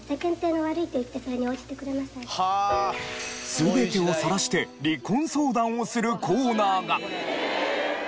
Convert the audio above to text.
全てをさらして離婚相談をするコーナーが！